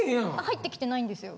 入ってきてないんですよ。